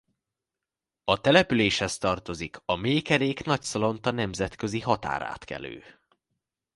A településhez tartozik a Méhkerék–Nagyszalonta nemzetközi határátkelő.